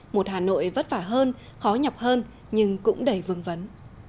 một hà nội vất vả hơn khó nhọc hơn nhưng cũng đầy vương vấn